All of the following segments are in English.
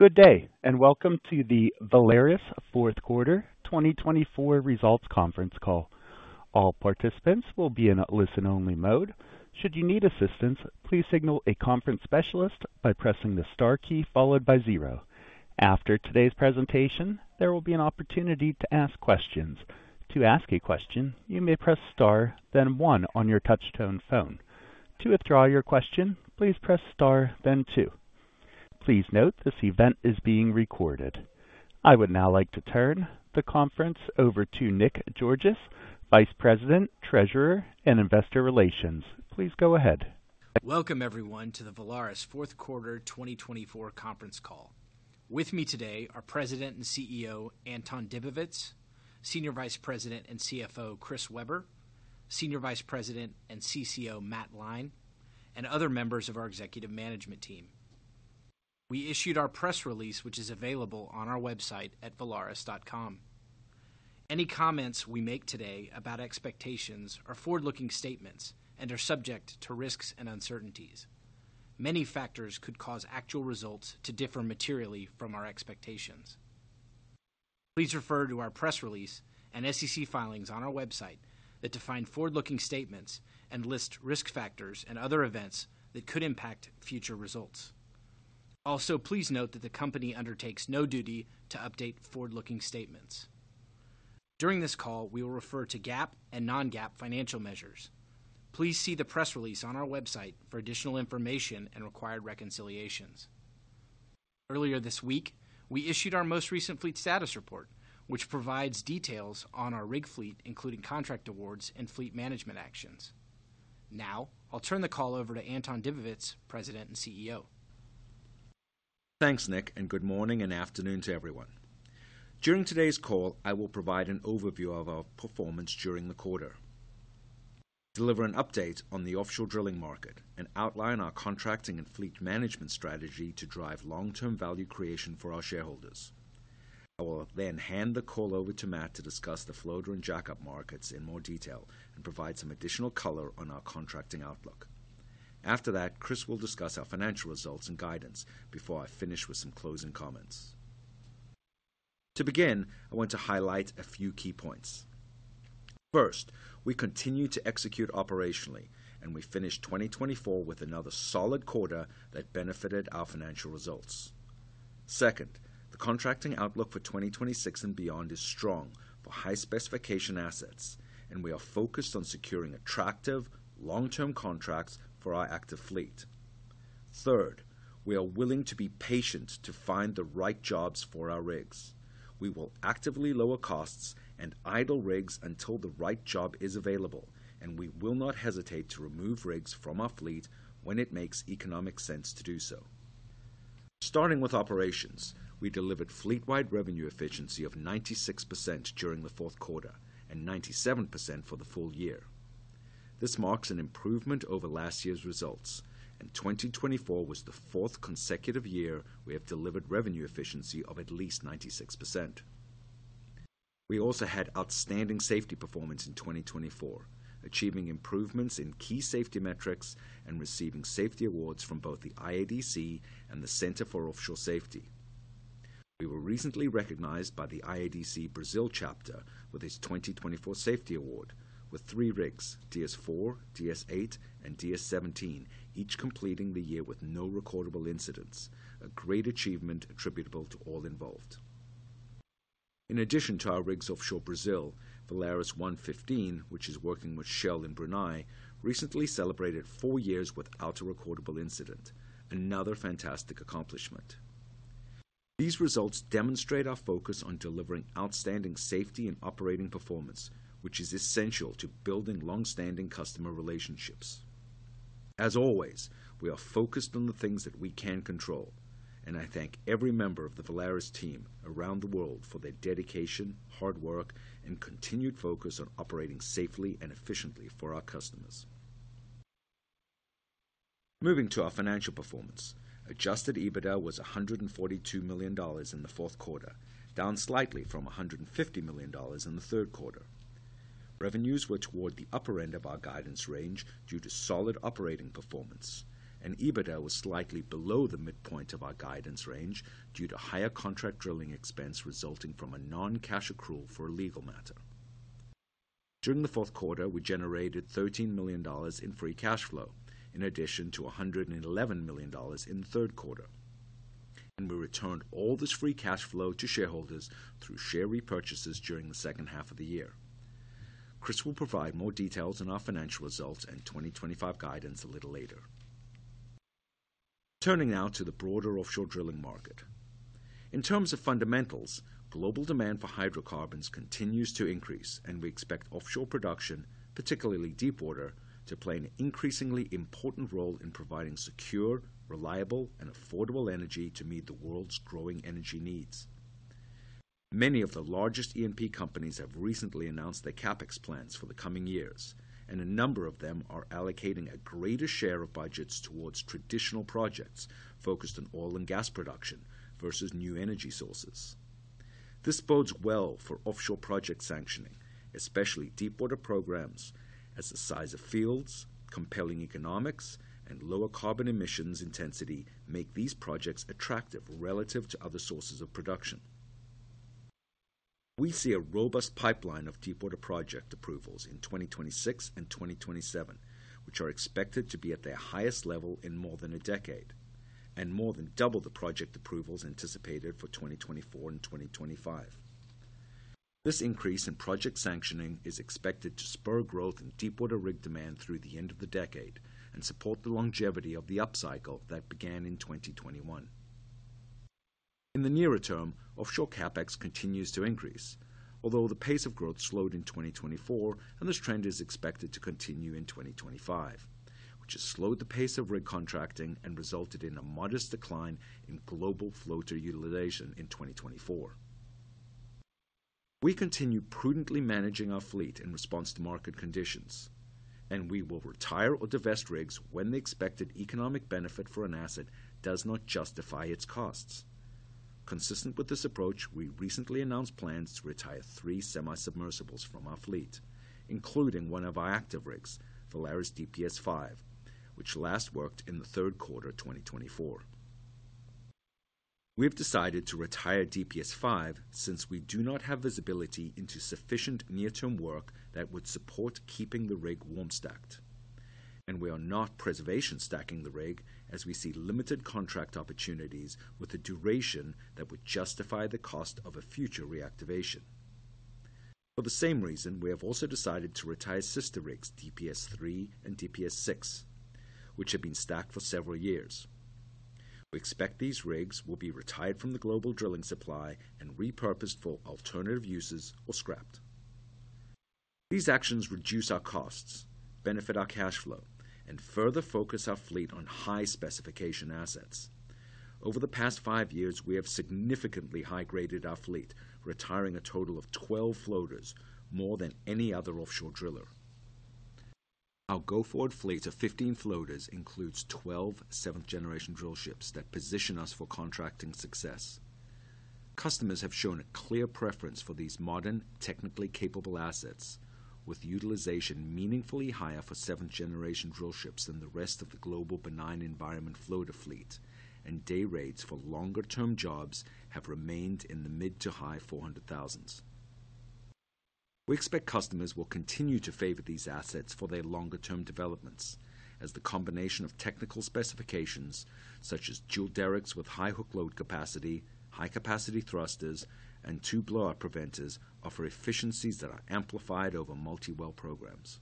Good day, and welcome to the Valaris Fourth Quarter 2024 Results Conference Call. All participants will be in a listen-only mode. Should you need assistance, please signal a conference specialist by pressing the star key followed by zero. After today's presentation, there will be an opportunity to ask questions. To ask a question, you may press star, then one on your touch-tone phone. To withdraw your question, please press star, then two. Please note this event is being recorded. I would now like to turn the conference over to Nick Georgas, Vice President, Treasurer, and Investor Relations. Please go ahead. Welcome, everyone, to the Valaris Fourth Quarter 2024 Conference Call. With me today are President and CEO Anton Dibowitz, Senior Vice President and CFO Chris Weber, Senior Vice President and CCO Matt Lyne, and other members of our executive management team. We issued our press release, which is available on our website at valaris.com. Any comments we make today about expectations are forward-looking statements and are subject to risks and uncertainties. Many factors could cause actual results to differ materially from our expectations. Please refer to our press release and SEC filings on our website that define forward-looking statements and list risk factors and other events that could impact future results. Also, please note that the company undertakes no duty to update forward-looking statements. During this call, we will refer to GAAP and non-GAAP financial measures. Please see the press release on our website for additional information and required reconciliations. Earlier this week, we issued our most recent Fleet Status Report, which provides details on our rig fleet, including contract awards and fleet management actions. Now, I'll turn the call over to Anton Dibowitz, President and CEO. Thanks, Nick, and good morning and afternoon to everyone. During today's call, I will provide an overview of our performance during the quarter, deliver an update on the offshore drilling market, and outline our contracting and fleet management strategy to drive long-term value creation for our shareholders. I will then hand the call over to Matt to discuss the floater and jack-up markets in more detail and provide some additional color on our contracting outlook. After that, Chris will discuss our financial results and guidance before I finish with some closing comments. To begin, I want to highlight a few key points. First, we continue to execute operationally, and we finished 2024 with another solid quarter that benefited our financial results. Second, the contracting outlook for 2026 and beyond is strong for high-specification assets, and we are focused on securing attractive long-term contracts for our active fleet. Third, we are willing to be patient to find the right jobs for our rigs. We will actively lower costs and idle rigs until the right job is available, and we will not hesitate to remove rigs from our fleet when it makes economic sense to do so. Starting with operations, we delivered fleet-wide revenue efficiency of 96% during the fourth quarter and 97% for the full year. This marks an improvement over last year's results, and 2024 was the fourth consecutive year we have delivered revenue efficiency of at least 96%. We also had outstanding safety performance in 2024, achieving improvements in key safety metrics and receiving safety awards from both the IADC and the Center for Offshore Safety. We were recently recognized by the IADC Brazil Chapter with its 2024 Safety Award, with three rigs, DS-4, DS-8, and DS-17, each completing the year with no recordable incidents, a great achievement attributable to all involved. In addition to our rigs offshore Brazil, VALARIS 115, which is working with Shell in Brunei, recently celebrated four years without a recordable incident, another fantastic accomplishment. These results demonstrate our focus on delivering outstanding safety and operating performance, which is essential to building long-standing customer relationships. As always, we are focused on the things that we can control, and I thank every member of the Valaris team around the world for their dedication, hard work, and continued focus on operating safely and efficiently for our customers. Moving to our financial performance, adjusted EBITDA was $142 million in the fourth quarter, down slightly from $150 million in the third quarter. Revenues were toward the upper end of our guidance range due to solid operating performance, and EBITDA was slightly below the midpoint of our guidance range due to higher contract drilling expense resulting from a non-cash accrual for a legal matter. During the fourth quarter, we generated $13 million in free cash flow, in addition to $111 million in the third quarter, and we returned all this free cash flow to shareholders through share repurchases during the second half of the year. Chris will provide more details on our financial results and 2025 guidance a little later. Turning now to the broader offshore drilling market. In terms of fundamentals, global demand for hydrocarbons continues to increase, and we expect offshore production, particularly deep water, to play an increasingly important role in providing secure, reliable, and affordable energy to meet the world's growing energy needs. Many of the largest E&P companies have recently announced their CapEx plans for the coming years, and a number of them are allocating a greater share of budgets towards traditional projects focused on oil and gas production versus new energy sources. This bodes well for offshore project sanctioning, especially deep-water programs, as the size of fields, compelling economics, and lower carbon emissions intensity make these projects attractive relative to other sources of production. We see a robust pipeline of deep-water project approvals in 2026 and 2027, which are expected to be at their highest level in more than a decade, and more than double the project approvals anticipated for 2024 and 2025. This increase in project sanctioning is expected to spur growth in deep-water rig demand through the end of the decade and support the longevity of the upcycle that began in 2021. In the nearer term, offshore CapEx continues to increase, although the pace of growth slowed in 2024, and this trend is expected to continue in 2025, which has slowed the pace of rig contracting and resulted in a modest decline in global floater utilization in 2024. We continue prudently managing our fleet in response to market conditions, and we will retire or divest rigs when the expected economic benefit for an asset does not justify its costs. Consistent with this approach, we recently announced plans to retire three semisubmersibles from our fleet, including one of our active rigs, VALARIS DPS-5, which last worked in the third quarter of 2024. We have decided to retire DPS-5 since we do not have visibility into sufficient near-term work that would support keeping the rig warm-stacked, and we are not preservation-stacking the rig as we see limited contract opportunities with a duration that would justify the cost of a future reactivation. For the same reason, we have also decided to retire sister rigs, DPS-3 and DPS-6, which have been stacked for several years. We expect these rigs will be retired from the global drilling supply and repurposed for alternative uses or scrapped. These actions reduce our costs, benefit our cash flow, and further focus our fleet on high-specification assets. Over the past five years, we have significantly high-graded our fleet, retiring a total of 12 floaters, more than any other offshore driller. Our go-forward fleet of 15 floaters includes 12 seventh-generation drillships that position us for contracting success. Customers have shown a clear preference for these modern, technically capable assets, with utilization meaningfully higher for seventh-generation drillships than the rest of the global benign environment floater fleet, and day rates for longer-term jobs have remained in the mid to high $400,000s. We expect customers will continue to favor these assets for their longer-term developments, as the combination of technical specifications, such as dual derricks with high hook load capacity, high-capacity thrusters, and two blowout preventers, offers efficiencies that are amplified over multi-well programs.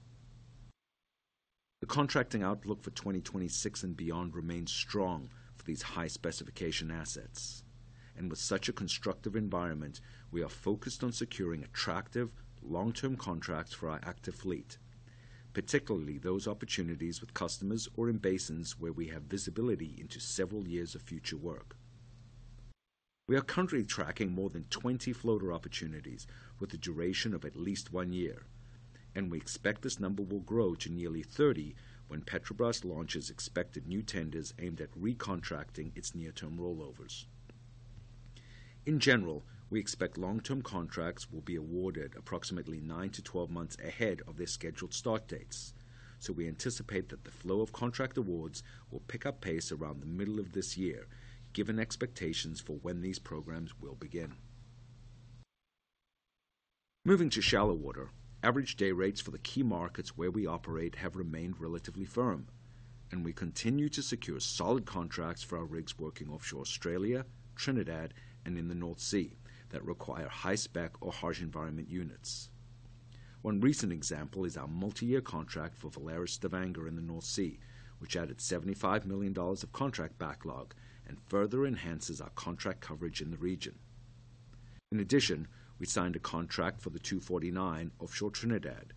The contracting outlook for 2026 and beyond remains strong for these high-specification assets, and with such a constructive environment, we are focused on securing attractive long-term contracts for our active fleet, particularly those opportunities with customers or in basins where we have visibility into several years of future work. We are currently tracking more than 20 floater opportunities with a duration of at least one year, and we expect this number will grow to nearly 30 when Petrobras launches expected new tenders aimed at recontracting its near-term rollovers. In general, we expect long-term contracts will be awarded approximately 9-12 months ahead of their scheduled start dates, so we anticipate that the flow of contract awards will pick up pace around the middle of this year, given expectations for when these programs will begin. Moving to shallow water, average day rates for the key markets where we operate have remained relatively firm, and we continue to secure solid contracts for our rigs working offshore Australia, Trinidad, and in the North Sea that require high-spec or harsh environment units. One recent example is our multi-year contract for Valaris Stavanger in the North Sea, which added $75 million of contract backlog and further enhances our contract coverage in the region. In addition, we signed a contract for the 249 offshore Trinidad,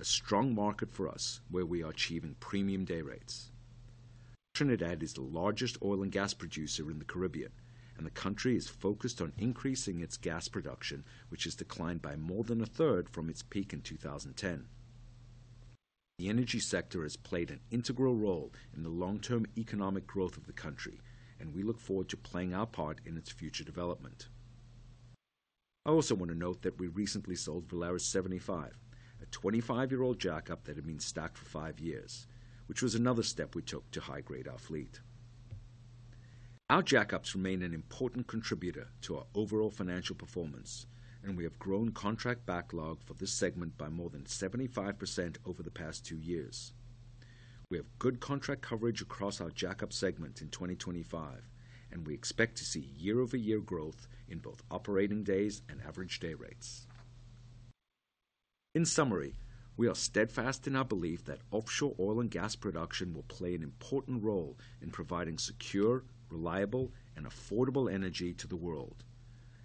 a strong market for us where we are achieving premium day rates. Trinidad is the largest oil and gas producer in the Caribbean, and the country is focused on increasing its gas production, which has declined by more than a 1/3 from its peak in 2010. The energy sector has played an integral role in the long-term economic growth of the country, and we look forward to playing our part in its future development. I also want to note that we recently sold VALARIS 75, a 25-year-old jack-up that had been stacked for five years, which was another step we took to high-grade our fleet. Our jack-ups remain an important contributor to our overall financial performance, and we have grown contract backlog for this segment by more than 75% over the past two years. We have good contract coverage across our jack-up segment in 2025, and we expect to see year-over-year growth in both operating days and average day rates. In summary, we are steadfast in our belief that offshore oil and gas production will play an important role in providing secure, reliable, and affordable energy to the world,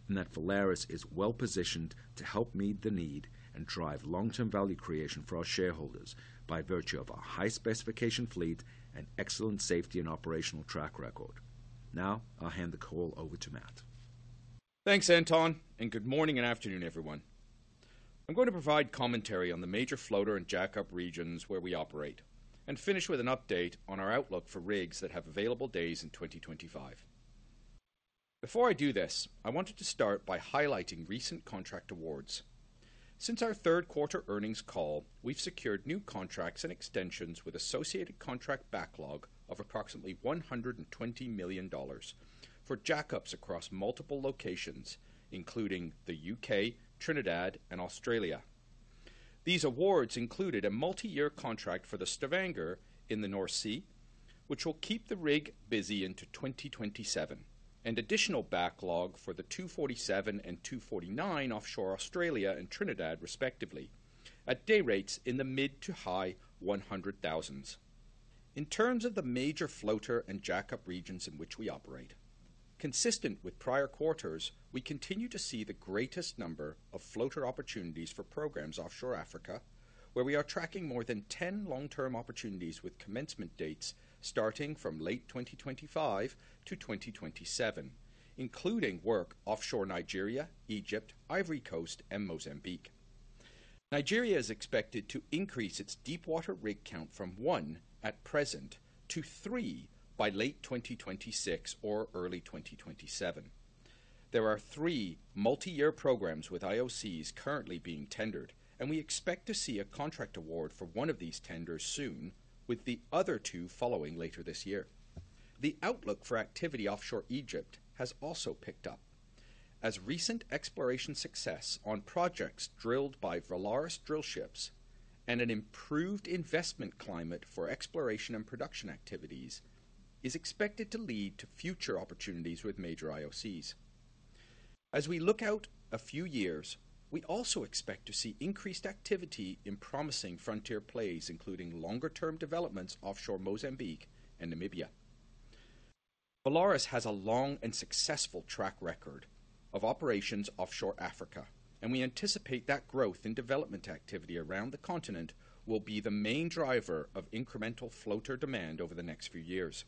and that Valaris is well-positioned to help meet the need and drive long-term value creation for our shareholders by virtue of our high-specification fleet and excellent safety and operational track record. Now, I'll hand the call over to Matt. Thanks, Anton, and good morning and afternoon, everyone. I'm going to provide commentary on the major floater and jack-up regions where we operate and finish with an update on our outlook for rigs that have available days in 2025. Before I do this, I wanted to start by highlighting recent contract awards. Since our third quarter earnings call, we've secured new contracts and extensions with associated contract backlog of approximately $120 million for jack-ups across multiple locations, including the U.K., Trinidad, and Australia. These awards included a multi-year contract for the Stavanger in the North Sea, which will keep the rig busy into 2027, and additional backlog for the 247 and 249 offshore Australia and Trinidad, respectively, at day rates in the mid-to-high 100,000s. In terms of the major floater and jack-up regions in which we operate, consistent with prior quarters, we continue to see the greatest number of floater opportunities for programs offshore Africa, where we are tracking more than 10 long-term opportunities with commencement dates starting from late 2025-2027, including work offshore Nigeria, Egypt, Ivory Coast, and Mozambique. Nigeria is expected to increase its deep-water rig count from one at present to three by late 2026 or early 2027. There are three multi-year programs with IOCs currently being tendered, and we expect to see a contract award for one of these tenders soon, with the other two following later this year. The outlook for activity offshore Egypt has also picked up, as recent exploration success on projects drilled by VALARIS drillships and an improved investment climate for exploration and production activities is expected to lead to future opportunities with major IOCs. As we look out a few years, we also expect to see increased activity in promising frontier plays, including longer-term developments offshore Mozambique and Namibia. Valaris has a long and successful track record of operations offshore Africa, and we anticipate that growth in development activity around the continent will be the main driver of incremental floater demand over the next few years.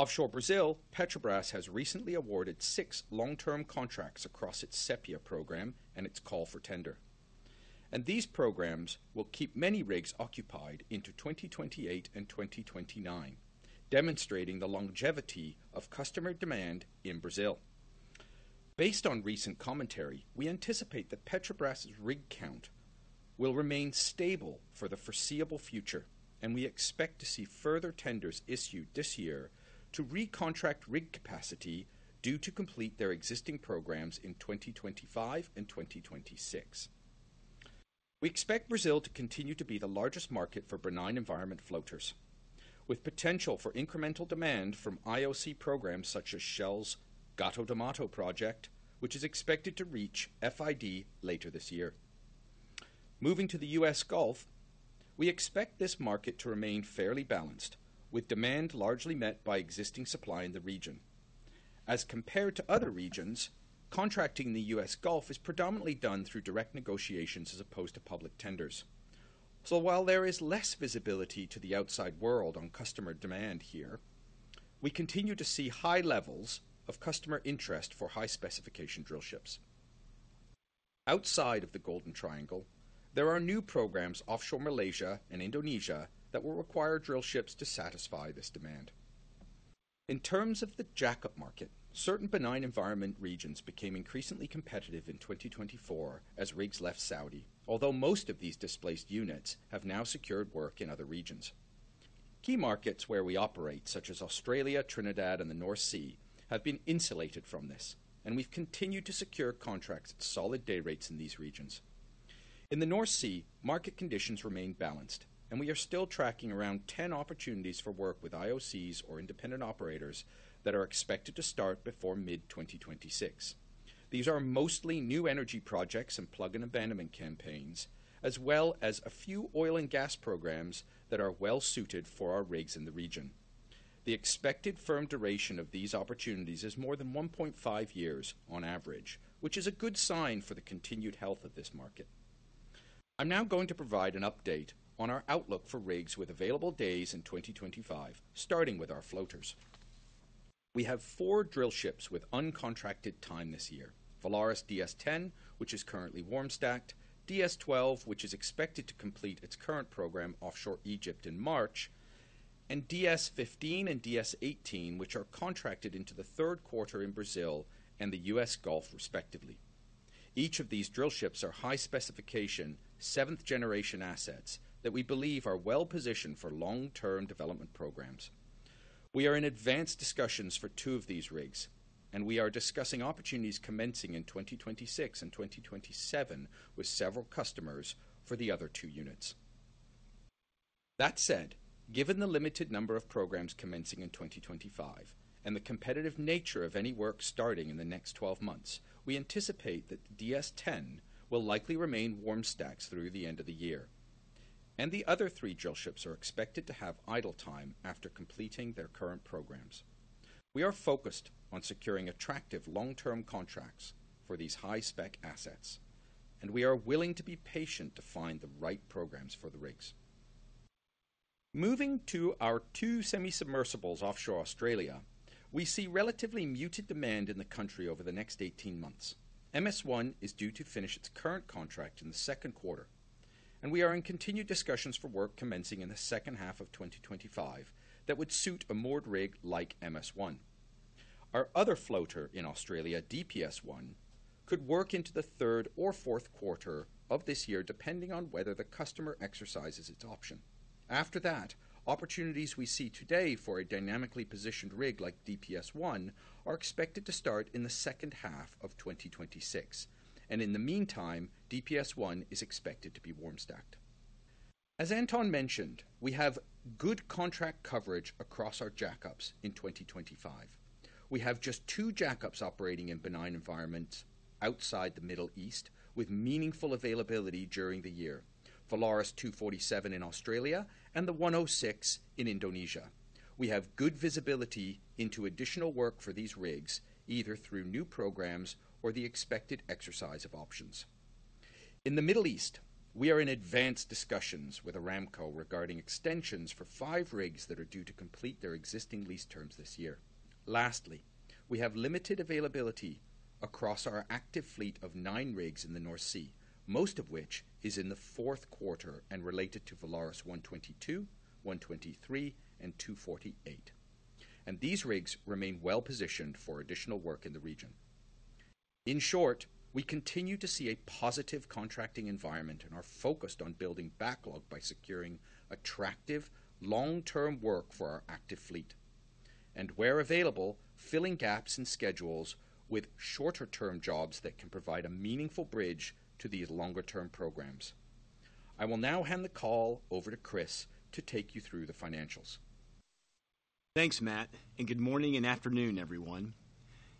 Offshore Brazil, Petrobras has recently awarded six long-term contracts across its Sepia program and its call for tender, and these programs will keep many rigs occupied into 2028 and 2029, demonstrating the longevity of customer demand in Brazil. Based on recent commentary, we anticipate that Petrobras rig count will remain stable for the foreseeable future, and we expect to see further tenders issued this year to recontract rig capacity due to complete their existing programs in 2025 and 2026. We expect Brazil to continue to be the largest market for benign environment floaters, with potential for incremental demand from IOC programs such as Shell's Gato do Mato project, which is expected to reach FID later this year. Moving to the U.S. Gulf, we expect this market to remain fairly balanced, with demand largely met by existing supply in the region. As compared to other regions, contracting in the U.S. Gulf is predominantly done through direct negotiations as opposed to public tenders. So while there is less visibility to the outside world on customer demand here, we continue to see high levels of customer interest for high-specification drill ships. Outside of the Golden Triangle, there are new programs offshore Malaysia and Indonesia that will require drillships to satisfy this demand. In terms of the jack-up market, certain benign environment regions became increasingly competitive in 2024 as rigs left Saudi, although most of these displaced units have now secured work in other regions. Key markets where we operate, such as Australia, Trinidad, and the North Sea, have been insulated from this, and we've continued to secure contracts at solid day rates in these regions. In the North Sea, market conditions remain balanced, and we are still tracking around 10 opportunities for work with IOCs or independent operators that are expected to start before mid-2026. These are mostly new energy projects and plug and abandonment campaigns, as well as a few oil and gas programs that are well-suited for our rigs in the region. The expected firm duration of these opportunities is more than 1.5 years on average, which is a good sign for the continued health of this market. I'm now going to provide an update on our outlook for rigs with available days in 2025, starting with our floaters. We have four drillships with uncontracted time this year, VALARIS DS-10, which is currently warm-stacked, DS-12, which is expected to complete its current program offshore Egypt in March, and DS-15 and DS-18, which are contracted into the third quarter in Brazil and the U.S. Gulf, respectively. Each of these drillships are high-specification, seventh-generation assets that we believe are well-positioned for long-term development programs. We are in advanced discussions for two of these rigs, and we are discussing opportunities commencing in 2026 and 2027 with several customers for the other two units. That said, given the limited number of programs commencing in 2025 and the competitive nature of any work starting in the next 12 months, we anticipate that DS-10 will likely remain warm-stacked through the end of the year, and the other three drillships are expected to have idle time after completing their current programs. We are focused on securing attractive long-term contracts for these high-spec assets, and we are willing to be patient to find the right programs for the rigs. Moving to our two semisubmersibles offshore Australia, we see relatively muted demand in the country over the next 18 months. MS-1 is due to finish its current contract in the second quarter, and we are in continued discussions for work commencing in the second half of 2025 that would suit a moored rig like MS-1. Our other floater in Australia, DPS-1, could work into the third or fourth quarter of this year, depending on whether the customer exercises its option. After that, opportunities we see today for a dynamically positioned rig like DPS-1 are expected to start in the second half of 2026, and in the meantime, DPS-1 is expected to be warm-stacked. As Anton mentioned, we have good contract coverage across our jack-ups in 2025. We have just two jack-ups operating in benign environments outside the Middle East with meaningful availability during the year: VALARIS 247 in Australia and the 106 in Indonesia. We have good visibility into additional work for these rigs, either through new programs or the expected exercise of options. In the Middle East, we are in advanced discussions with Aramco regarding extensions for five rigs that are due to complete their existing lease terms this year. Lastly, we have limited availability across our active fleet of nine rigs in the North Sea, most of which is in the fourth quarter and related to VALARIS 122, 123, and 248, and these rigs remain well-positioned for additional work in the region. In short, we continue to see a positive contracting environment and are focused on building backlog by securing attractive long-term work for our active fleet, and where available, filling gaps in schedules with shorter-term jobs that can provide a meaningful bridge to these longer-term programs. I will now hand the call over to Chris to take you through the financials. Thanks, Matt, and good morning and afternoon, everyone.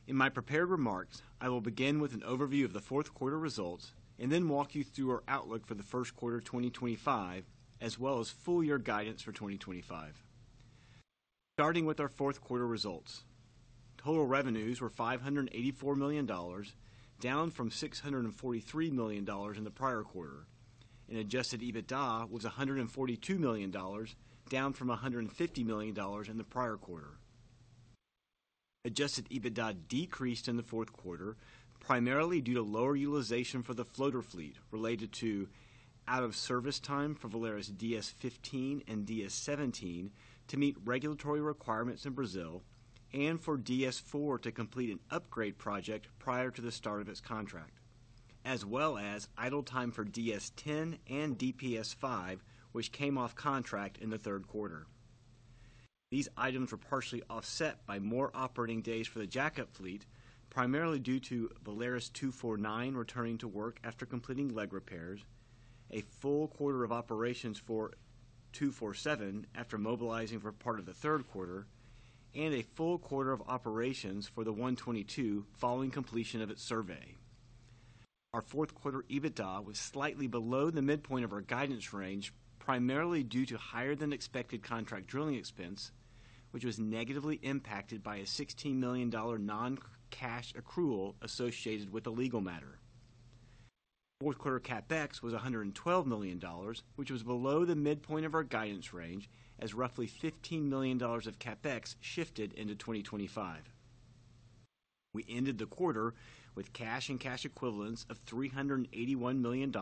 In my prepared remarks, I will begin with an overview of the fourth quarter results and then walk you through our outlook for the first quarter of 2025, as well as full year guidance for 2025. Starting with our fourth quarter results, total revenues were $584 million, down from $643 million in the prior quarter, and adjusted EBITDA was $142 million, down from $150 million in the prior quarter. Adjusted EBITDA decreased in the fourth quarter, primarily due to lower utilization for the floater fleet related to out-of-service time for VALARIS DS-15 and DS-17 to meet regulatory requirements in Brazil and for DS-4 to complete an upgrade project prior to the start of its contract, as well as idle time for DS-10 and DPS-5, which came off contract in the third quarter. These items were partially offset by more operating days for the jack-up fleet, primarily due to VALARIS 249 returning to work after completing leg repairs, a full quarter of operations for 247 after mobilizing for part of the third quarter, and a full quarter of operations for the 122 following completion of its survey. Our fourth quarter EBITDA was slightly below the midpoint of our guidance range, primarily due to higher-than-expected contract drilling expense, which was negatively impacted by a $16 million non-cash accrual associated with a legal matter. Fourth quarter CapEx was $112 million, which was below the midpoint of our guidance range, as roughly $15 million of CapEx shifted into 2025. We ended the quarter with cash and cash equivalents of $381 million,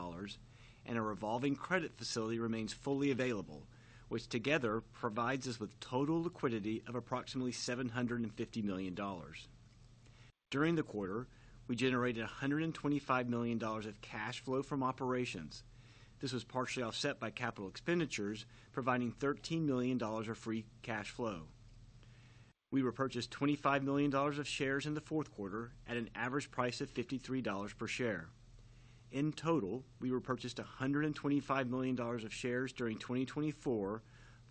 and a revolving credit facility remains fully available, which together provides us with total liquidity of approximately $750 million. During the quarter, we generated $125 million of cash flow from operations. This was partially offset by capital expenditures, providing $13 million of free cash flow. We repurchased $25 million of shares in the fourth quarter at an average price of $53 per share. In total, we repurchased $125 million of shares during 2024,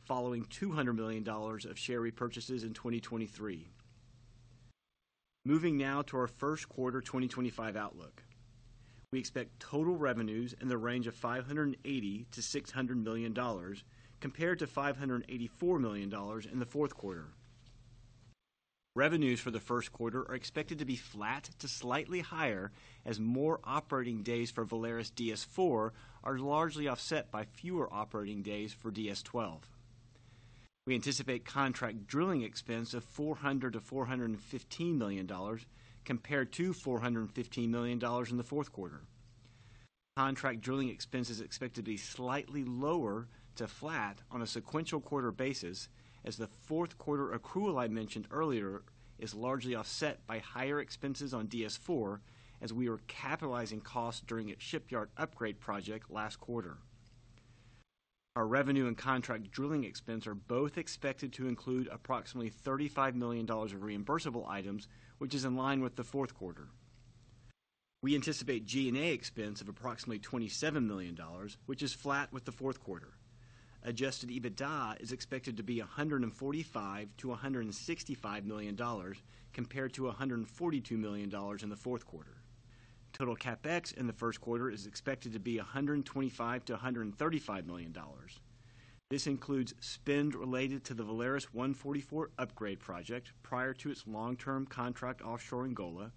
following $200 million of share repurchases in 2023. Moving now to our first quarter 2025 outlook, we expect total revenues in the range of $580-$600 million compared to $584 million in the fourth quarter. Revenues for the first quarter are expected to be flat to slightly higher, as more operating days for VALARIS DS-4 are largely offset by fewer operating days for DS-12. We anticipate contract drilling expense of $400-$415 million compared to $415 million in the fourth quarter. Contract drilling expense is expected to be slightly lower to flat on a sequential quarter basis, as the fourth quarter accrual I mentioned earlier is largely offset by higher expenses on DS-4, as we were capitalizing costs during its shipyard upgrade project last quarter. Our revenue and contract drilling expense are both expected to include approximately $35 million of reimbursable items, which is in line with the fourth quarter. We anticipate G&A expense of approximately $27 million, which is flat with the fourth quarter. Adjusted EBITDA is expected to be $145-$165 million compared to $142 million in the fourth quarter. Total CapEx in the first quarter is expected to be $125-$135 million. This includes spend related to the VALARIS 144 upgrade project prior to its long-term contract offshore in Angola,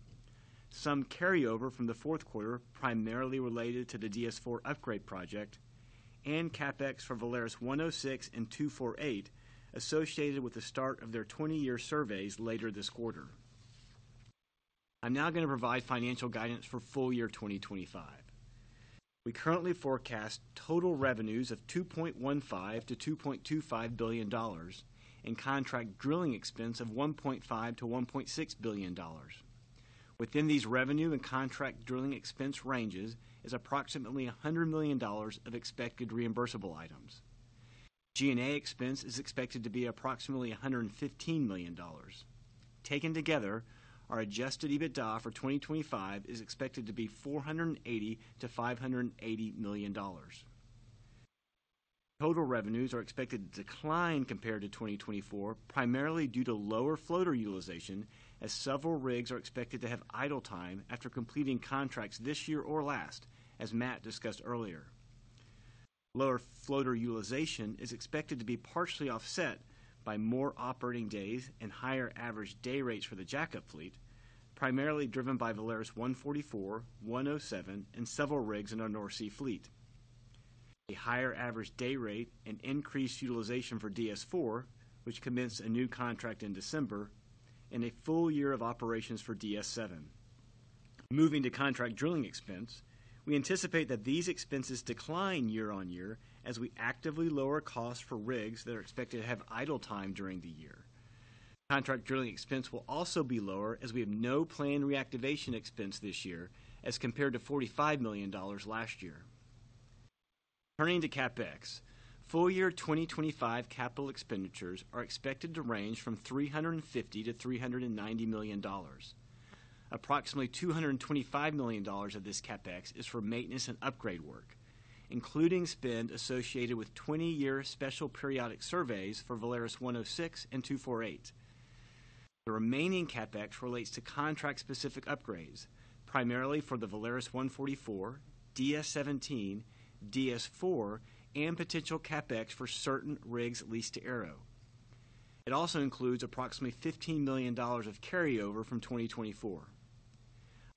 some carryover from the fourth quarter primarily related to the DS-4 upgrade project, and CapEx for VALARIS 106 and 248 associated with the start of their 20-year surveys later this quarter. I'm now going to provide financial guidance for full year 2025. We currently forecast total revenues of $2.15-$2.25 billion and contract drilling expense of $1.5-$1.6 billion. Within these revenue and contract drilling expense ranges is approximately $100 million of expected reimbursable items. G&A expense is expected to be approximately $115 million. Taken together, our adjusted EBITDA for 2025 is expected to be $480-$580 million. Total revenues are expected to decline compared to 2024, primarily due to lower floater utilization, as several rigs are expected to have idle time after completing contracts this year or last, as Matt discussed earlier. Lower floater utilization is expected to be partially offset by more operating days and higher average day rates for the jack-up fleet, primarily driven by VALARIS 144, 107, and several rigs in our North Sea fleet, a higher average day rate, and increased utilization for DS-4, which commenced a new contract in December, and a full year of operations for DS-7. Moving to contract drilling expense, we anticipate that these expenses decline year-on-year as we actively lower costs for rigs that are expected to have idle time during the year. Contract drilling expense will also be lower as we have no planned reactivation expense this year as compared to $45 million last year. Turning to CapEx, full year 2025 capital expenditures are expected to range from $350-$390 million. Approximately $225 million of this CapEx is for maintenance and upgrade work, including spend associated with 20-year special periodic surveys for VALARIS 106 and 248. The remaining CapEx relates to contract-specific upgrades, primarily for the VALARIS 144, DS-17, DS-4, and potential CapEx for certain rigs leased to ARO. It also includes approximately $15 million of carryover from 2024.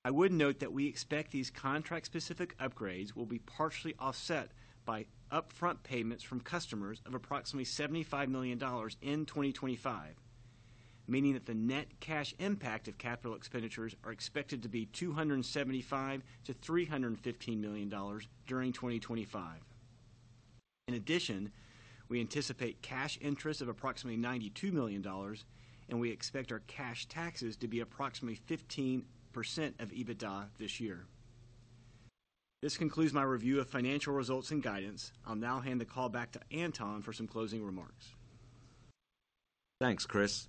I would note that we expect these contract-specific upgrades will be partially offset by upfront payments from customers of approximately $75 million in 2025, meaning that the net cash impact of capital expenditures are expected to be $275-$315 million during 2025. In addition, we anticipate cash interest of approximately $92 million, and we expect our cash taxes to be approximately 15% of EBITDA this year. This concludes my review of financial results and guidance. I'll now hand the call back to Anton for some closing remarks. Thanks, Chris.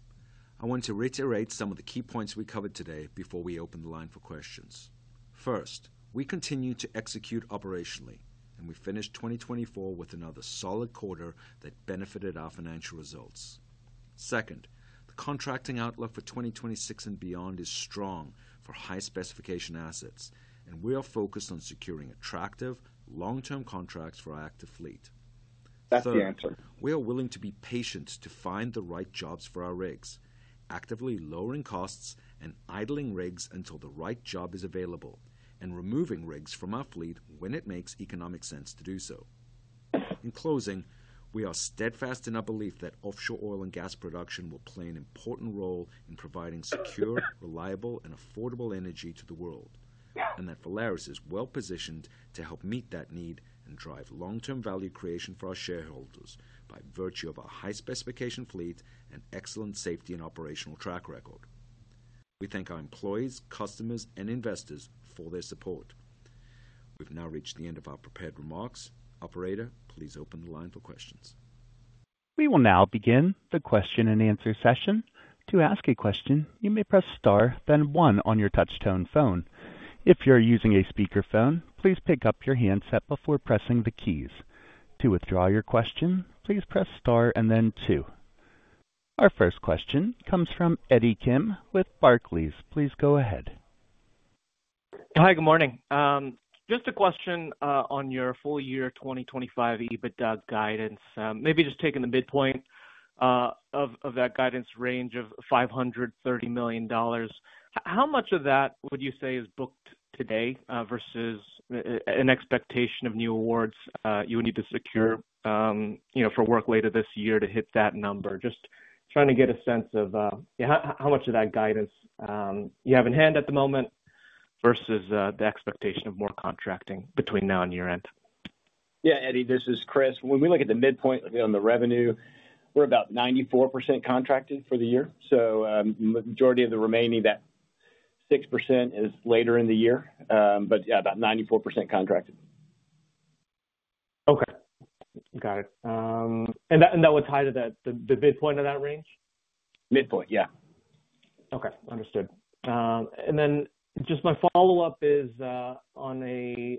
I want to reiterate some of the key points we covered today before we open the line for questions. First, we continue to execute operationally, and we finished 2024 with another solid quarter that benefited our financial results. Second, the contracting outlook for 2026 and beyond is strong for high-specification assets, and we are focused on securing attractive long-term contracts for our active fleet. That's the answer. We are willing to be patient to find the right jobs for our rigs, actively lowering costs and idling rigs until the right job is available, and removing rigs from our fleet when it makes economic sense to do so. In closing, we are steadfast in our belief that offshore oil and gas production will play an important role in providing secure, reliable, and affordable energy to the world, and that Valaris is well-positioned to help meet that need and drive long-term value creation for our shareholders by virtue of our high-specification fleet and excellent safety and operational track record. We thank our employees, customers, and investors for their support. We've now reached the end of our prepared remarks. Operator, please open the line for questions. We will now begin the question and answer session. To ask a question, you may press star, then one on your touch-tone phone. If you're using a speakerphone, please pick up your handset before pressing the keys. To withdraw your question, please press star and then two. Our first question comes from Eddie Kim with Barclays. Please go ahead. Hi, good morning. Just a question on your full year 2025 EBITDA guidance, maybe just taking the midpoint of that guidance range of $530 million. How much of that would you say is booked today versus an expectation of new awards you would need to secure for work later this year to hit that number? Just trying to get a sense of how much of that guidance you have in hand at the moment versus the expectation of more contracting between now and year-end. Yeah, Eddie, this is Chris. When we look at the midpoint on the revenue, we're about 94% contracted for the year. So the majority of the remaining, that 6%, is later in the year, but yeah, about 94% contracted. Okay. Got it. And that was tied to the midpoint of that range? Midpoint, yeah. Okay. Understood. And then just my follow-up is on a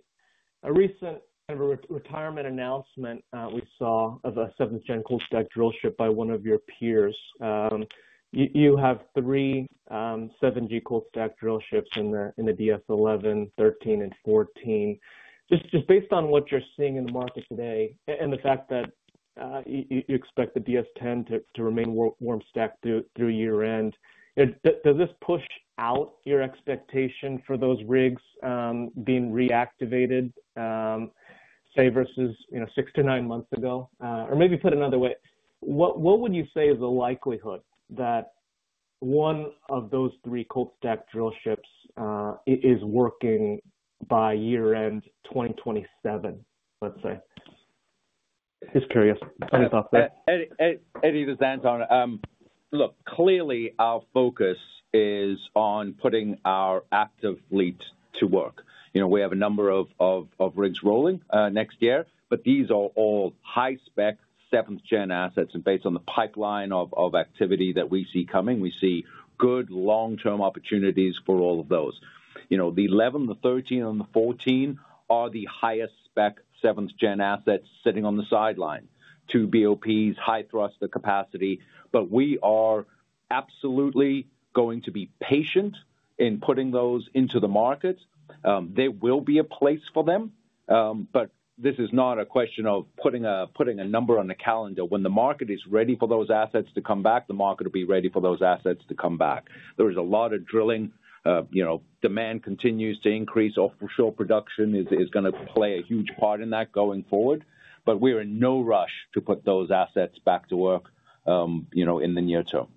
recent kind of retirement announcement we saw of a 7th Gen cold stack drillship by one of your peers. You have three 7G cold stack drillships in the DS-11, DS-13, and DS-14. Just based on what you're seeing in the market today and the fact that you expect the DS-10 to remain warm stacked through year-end, does this push out your expectation for those rigs being reactivated, say, versus 6-9 months ago? Or maybe put another way, what would you say is the likelihood that one of those three cold stack drillships is working by year-end 2027, let's say? Just curious. Any thoughts there? Eddie, this is Anton. Look, clearly our focus is on putting our active fleet to work. We have a number of rigs rolling next year, but these are all high-spec 7th Gen assets, and based on the pipeline of activity that we see coming, we see good long-term opportunities for all of those. The 11, the 13, and the 14 are the highest-spec 7th Gen assets sitting on the sidelines: two BOPs, high thruster capacity, but we are absolutely going to be patient in putting those into the market. There will be a place for them, but this is not a question of putting a number on the calendar. When the market is ready for those assets to come back, the market will be ready for those assets to come back. There is a lot of drilling. Demand continues to increase. Offshore production is going to play a huge part in that going forward, but we're in no rush to put those assets back to work in the near-term.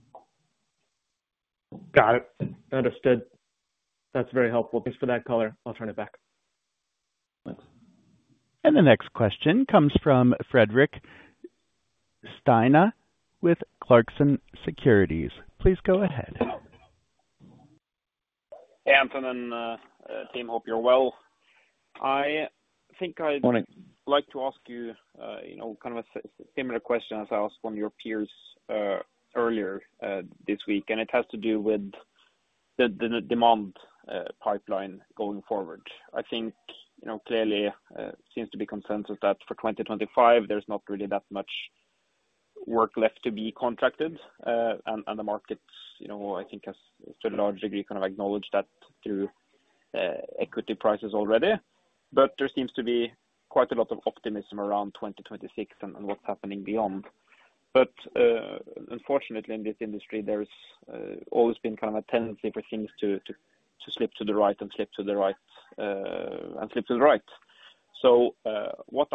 Got it. Understood. That's very helpful. Thanks for that color. I'll turn it back. Thanks. The next question comes from Fredrik Stene with Clarksons Securities. Please go ahead. Hey, Anton and team. Hope you're well. I think I'd like to ask you kind of a similar question as I asked one of your peers earlier this week, and it has to do with the demand pipeline going forward. I think clearly it seems to be consensus that for 2025, there's not really that much work left to be contracted, and the markets, I think, have to a large degree kind of acknowledged that through equity prices already. But there seems to be quite a lot of optimism around 2026 and what's happening beyond. But unfortunately, in this industry, there's always been kind of a tendency for things to slip to the right and slip to the right and slip to the right. What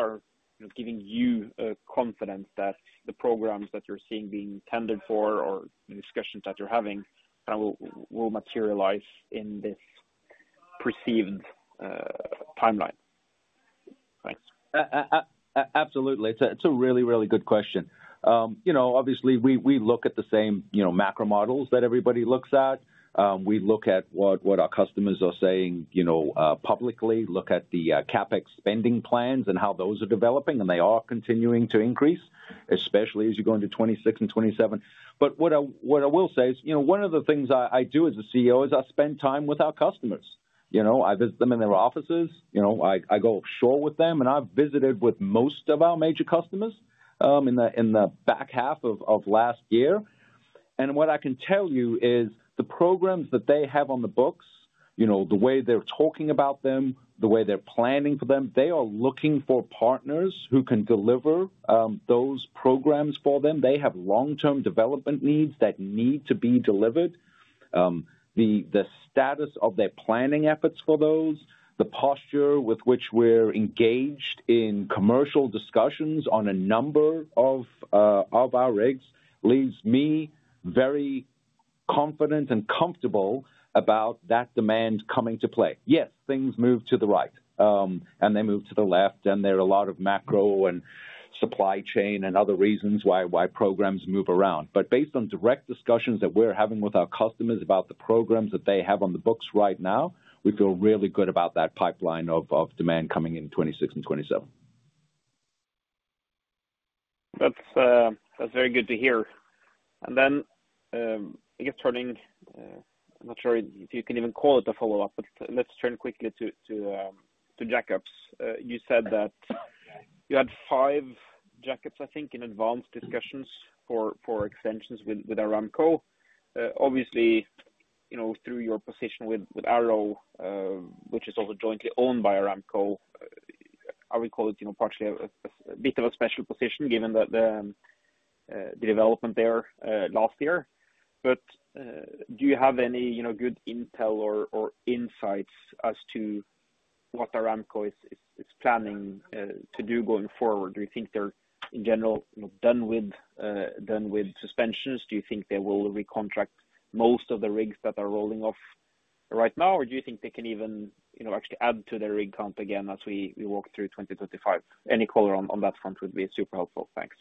is giving you confidence that the programs that you're seeing being tendered for or the discussions that you're having kind of will materialize in this perceived timeline? Thanks. Absolutely. It's a really, really good question. Obviously, we look at the same macro models that everybody looks at. We look at what our customers are saying publicly, look at the CapEx spending plans and how those are developing, and they are continuing to increase, especially as you go into 2026 and 2027. But what I will say is one of the things I do as a CEO is I spend time with our customers. I visit them in their offices. I go offshore with them, and I've visited with most of our major customers in the back half of last year. And what I can tell you is the programs that they have on the books, the way they're talking about them, the way they're planning for them, they are looking for partners who can deliver those programs for them. They have long-term development needs that need to be delivered. The status of their planning efforts for those, the posture with which we're engaged in commercial discussions on a number of our rigs leaves me very confident and comfortable about that demand coming to play. Yes, things move to the right, and they move to the left, and there are a lot of macro and supply chain and other reasons why programs move around. But based on direct discussions that we're having with our customers about the programs that they have on the books right now, we feel really good about that pipeline of demand coming in 2026 and 2027. That's very good to hear. And then I guess turning, I'm not sure if you can even call it a follow-up, but let's turn quickly to jack-ups. You said that you had five jack-ups, I think, in advanced discussions for extensions with Aramco. Obviously, through your position with ARO, which is also jointly owned by Aramco, I would call it partially a bit of a special position given the development there last year. But do you have any good intel or insights as to what Aramco is planning to do going forward? Do you think they're, in general, done with suspensions? Do you think they will recontract most of the rigs that are rolling off right now, or do you think they can even actually add to their rig count again as we walk through 2025? Any color on that front would be super helpful. Thanks.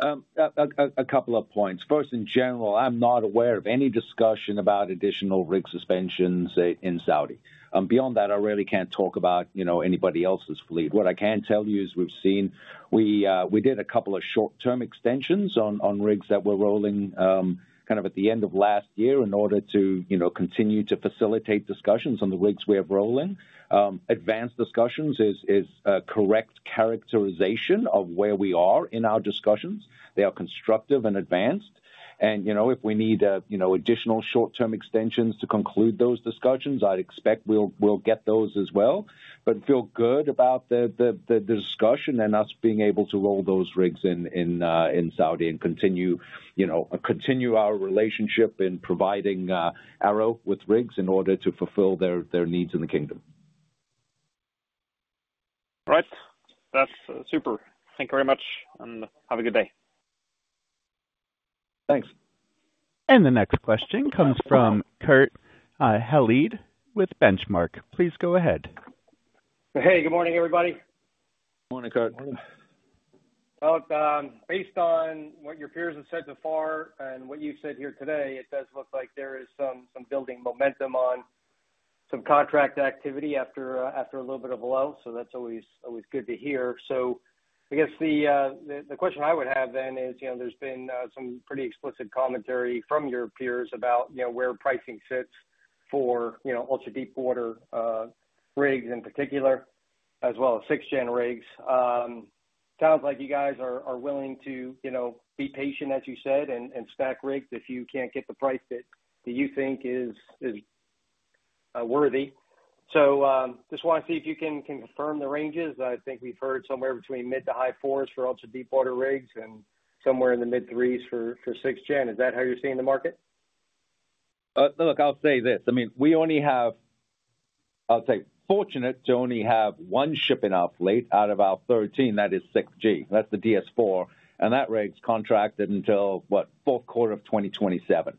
A couple of points. First, in general, I'm not aware of any discussion about additional rig suspensions in Saudi. Beyond that, I really can't talk about anybody else's fleet. What I can tell you is we've seen, we did a couple of short-term extensions on rigs that were rolling kind of at the end of last year in order to continue to facilitate discussions on the rigs we have rolling. Advanced discussions is a correct characterization of where we are in our discussions. They are constructive and advanced. And if we need additional short-term extensions to conclude those discussions, I'd expect we'll get those as well. But feel good about the discussion and us being able to roll those rigs in Saudi and continue our relationship in providing ARO with rigs in order to fulfill their needs in the kingdom. All right. That's super. Thank you very much, and have a good day. Thanks. The next question comes from Kurt Hallead with Benchmark. Please go ahead. Hey, good morning, everybody. Morning, Kurt. Morning. Based on what your peers have said so far and what you've said here today, it does look like there is some building momentum on some contract activity after a little bit of a lull, so that's always good to hear. I guess the question I would have then is there's been some pretty explicit commentary from your peers about where pricing sits for ultra-deep water rigs in particular, as well as 6th-gen rigs. Sounds like you guys are willing to be patient, as you said, and stack rigs if you can't get the price that you think is worthy. Just want to see if you can confirm the ranges. I think we've heard somewhere between mid to high fours for ultra-deep water rigs and somewhere in the mid-threes for 6th-gen. Is that how you're seeing the market? Look, I'll say this. I mean, we're fortunate to only have one ship in our fleet out of our 13. That is 6G. That's the DS-4. And that rig's contracted until, what, fourth quarter of 2027.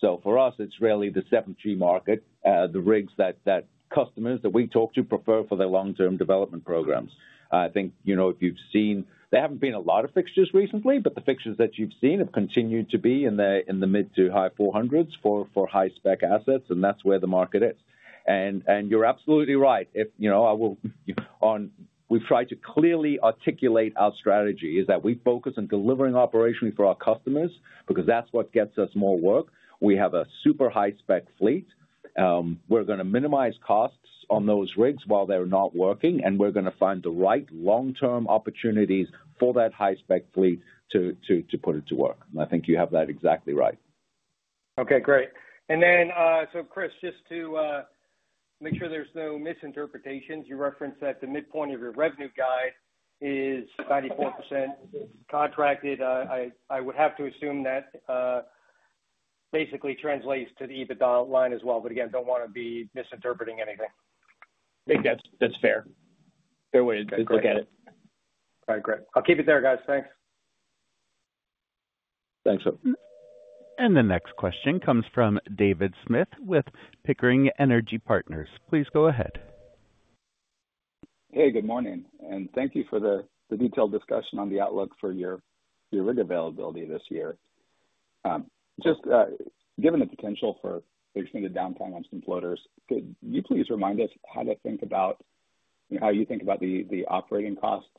So for us, it's really the 7G market, the rigs that customers that we talk to prefer for their long-term development programs. I think if you've seen, there haven't been a lot of fixtures recently, but the fixtures that you've seen have continued to be in the mid to high 400s for high-spec assets, and that's where the market is. And you're absolutely right. We've tried to clearly articulate our strategy is that we focus on delivering operationally for our customers because that's what gets us more work. We have a super high-spec fleet. We're going to minimize costs on those rigs while they're not working, and we're going to find the right long-term opportunities for that high-spec fleet to put into work. And I think you have that exactly right. Okay, great. And then, so Chris, just to make sure there's no misinterpretations, you referenced that the midpoint of your revenue guide is 94% contracted. I would have to assume that basically translates to the EBITDA line as well, but again, don't want to be misinterpreting anything. I think that's fair. That's fair way to look at it. All right, great. I'll keep it there, guys. Thanks. Thanks, sir. The next question comes from David Smith with Pickering Energy Partners. Please go ahead. Hey, good morning. Thank you for the detailed discussion on the outlook for your rig availability this year. Just given the potential for extended downtime on some floaters, could you please remind us how to think about how you think about the operating costs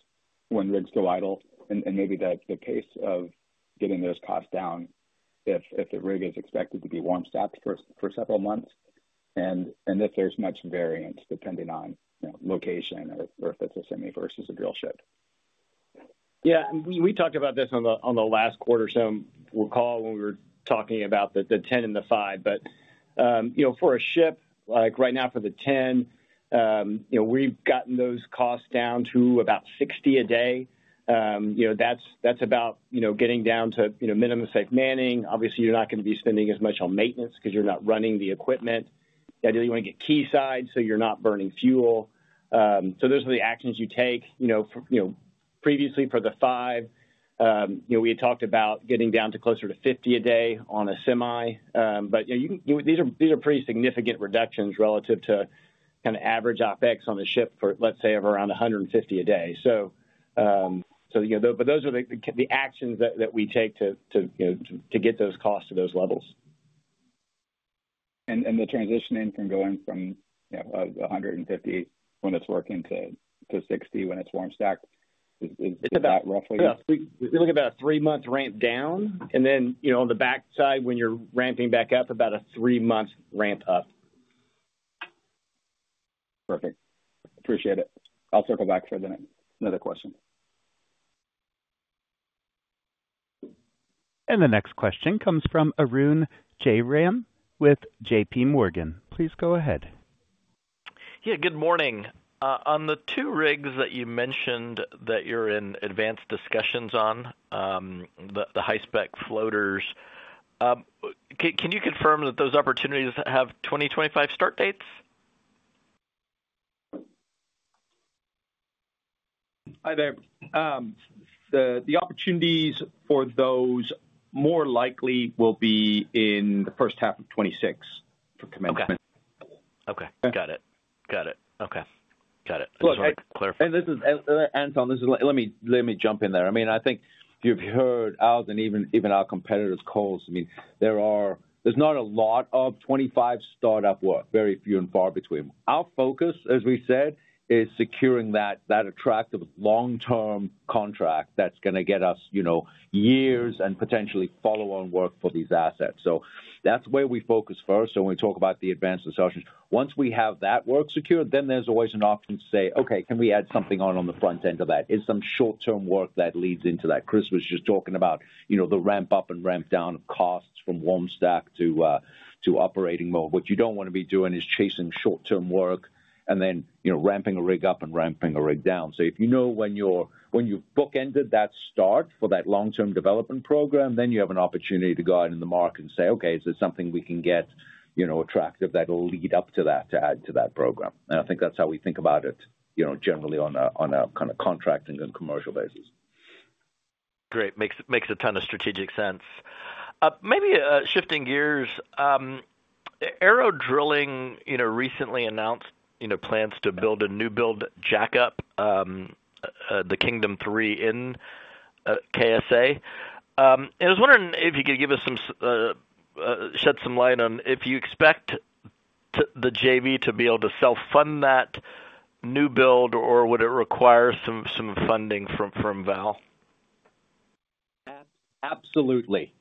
when rigs go idle and maybe the pace of getting those costs down if the rig is expected to be warm stacked for several months and if there's much variance depending on location or if it's a semi versus a drillship? Yeah. And we talked about this on the last quarter's earnings call when we were talking about the 10 and the 5. But for a ship, like right now for the 10, we've gotten those costs down to about $60 a day. That's about getting down to minimum safe manning. Obviously, you're not going to be spending as much on maintenance because you're not running the equipment. You want to get quayside so you're not burning fuel. So those are the actions you take. Previously, for the 5, we had talked about getting down to closer to $50 a day on a semi. But these are pretty significant reductions relative to kind of average OpEx on a ship for, let's say, around $150 a day. So those are the actions that we take to get those costs to those levels. The transitioning from going from $150 when it's working to $60 when it's warm stacked, is that roughly? We look at about a three-month ramp down, and then on the backside, when you're ramping back up, about a three-month ramp up. Perfect. Appreciate it. I'll circle back for another question. The next question comes from Arun Jayaram with JPMorgan. Please go ahead. Yeah, good morning. On the two rigs that you mentioned that you're in advanced discussions on, the high-spec floaters, can you confirm that those opportunities have 2025 start dates? Hi there. The opportunities for those more likely will be in the first half of 2026 for commencement. Okay. Okay. Got it. Got it. Okay. Got it. Just wanted to clarify. This is Anton, let me jump in there. I mean, I think you've heard about and even our competitors' calls. I mean, there's not a lot of 2025 startup work, very few and far between. Our focus, as we said, is securing that attractive long-term contract that's going to get us years and potentially follow-on work for these assets. So that's where we focus first. So when we talk about the advanced discussions, once we have that work secured, then there's always an option to say, "Okay, can we add something on the front end of that? Is some short-term work that leads into that?" Chris was just talking about the ramp up and ramp down of costs from warm stack to operating mode. What you don't want to be doing is chasing short-term work and then ramping a rig up and ramping a rig down. So if you know when you've bookended that start for that long-term development program, then you have an opportunity to go out in the market and say, "Okay, is there something we can get attractive that will lead up to that to add to that program?" And I think that's how we think about it generally on a kind of contracting and commercial basis. Great. Makes a ton of strategic sense. Maybe shifting gears, ARO Drilling recently announced plans to build a new build jack-up, the Kingdom 3 in KSA, and I was wondering if you could shed some light on if you expect the JV to be able to self-fund that new build, or would it require some funding from VAL? Absolutely.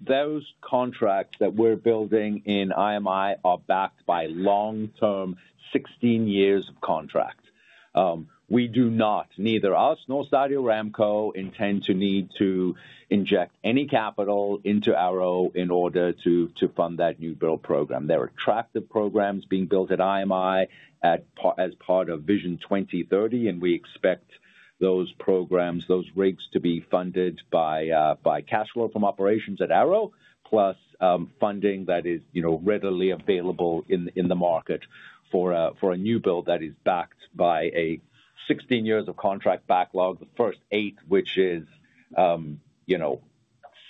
Those contracts that we're building in IMI are backed by long-term 16 years of contract. We do not, neither us nor Saudi Aramco, intend to need to inject any capital into ARO in order to fund that new build program. There are attractive programs being built at IMI as part of Vision 2030, and we expect those programs, those rigs to be funded by cash flow from operations at ARO, plus funding that is readily available in the market for a new build that is backed by a 16 years of contract backlog, the first eight, which is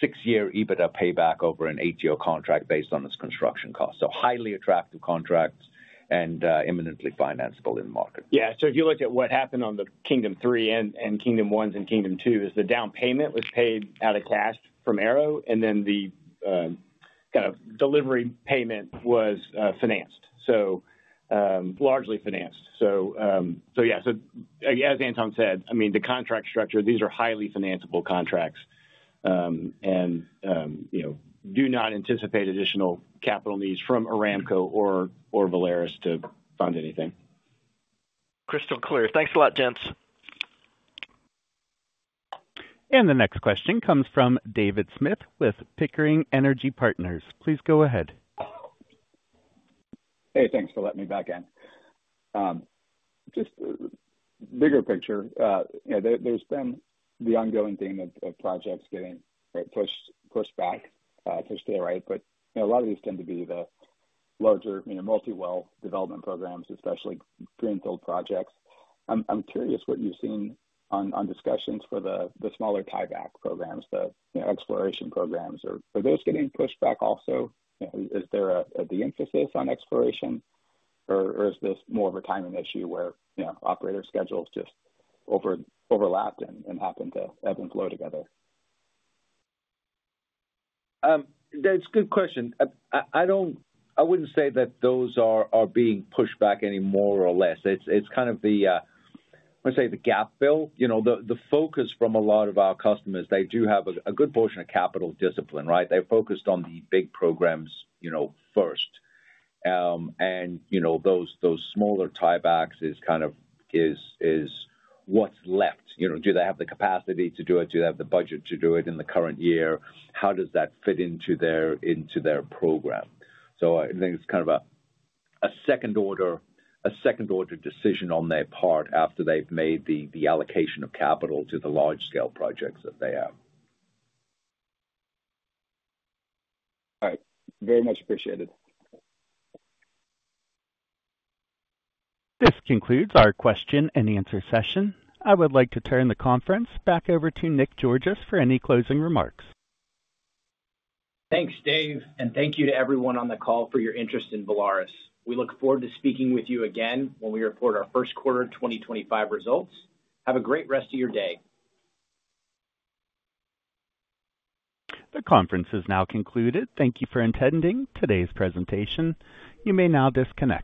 six-year EBITDA payback over an eight-year contract based on its construction cost. So highly attractive contracts and eminently financeable in the market. Yeah. So if you look at what happened on the Kingdom 3 and Kingdom 1 and Kingdom 2, is the down payment was paid out of cash from ARO, and then the kind of delivery payment was financed. So largely financed. So yeah. So as Anton said, I mean, the contract structure, these are highly financeable contracts and do not anticipate additional capital needs from Aramco or Valaris to fund anything. Crystal clear. Thanks a lot, gents. The next question comes from David Smith with Pickering Energy Partners. Please go ahead. Hey, thanks for letting me back in. Just bigger picture, there's been the ongoing theme of projects getting pushed back, pushed to the right, but a lot of these tend to be the larger multi-well development programs, especially greenfield projects. I'm curious what you've seen on discussions for the smaller tieback programs, the exploration programs. Are those getting pushed back also? Is there a de-emphasis on exploration, or is this more of a timing issue where operator schedules just overlapped and happened to ebb and flow together? That's a good question. I wouldn't say that those are being pushed back any more or less. It's kind of the, I want to say, the gap fill. The focus from a lot of our customers, they do have a good portion of capital discipline, right? They're focused on the big programs first. And those smaller tiebacks is kind of what's left. Do they have the capacity to do it? Do they have the budget to do it in the current year? How does that fit into their program? So I think it's kind of a second-order decision on their part after they've made the allocation of capital to the large-scale projects that they have. All right. Very much appreciated. This concludes our question and answer session. I would like to turn the conference back over to Nick Georgas for any closing remarks. Thanks, Dave, and thank you to everyone on the call for your interest in Valaris. We look forward to speaking with you again when we report our first quarter 2025 results. Have a great rest of your day. The conference has now concluded. Thank you for attending today's presentation. You may now disconnect.